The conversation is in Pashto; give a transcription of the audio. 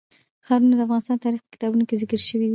ښارونه د افغان تاریخ په کتابونو کې ذکر شوی دي.